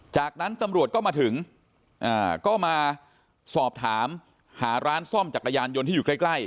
จากนั้นตำรวจก็มาถึงก็มาสอบถามหาร้านซ่อมจักรยานยนต์ที่อยู่ใกล้